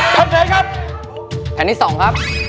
แผ่นไหนครับแผ่นนี้สองครับ